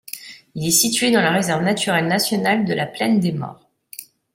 Il est situé dans la Réserve naturelle nationale de la plaine des Maures.